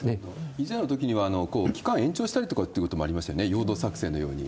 以前のときには、期間を延長したりってこともありましたよね、陽動作戦のように。